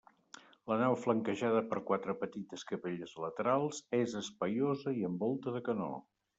La nau flanquejada per quatre petites capelles laterals, és espaiosa i amb volta de canó.